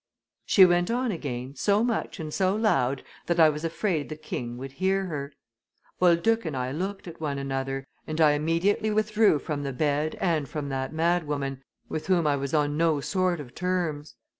She went on again, so much and so loud, that I was afraid the king would hear her. Boulduc and I looked at one another, and I immediately withdrew from the bed and from that madwoman, with whom I was on no sort of terms.